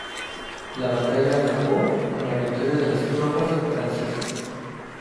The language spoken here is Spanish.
La batalla acabó con la victoria de las tropas francesas.